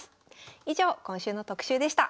以上今週の特集でした。